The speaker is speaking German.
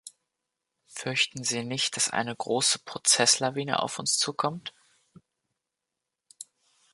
Fürchten Sie nicht, dass eine große Prozesslawine auf uns zukommt?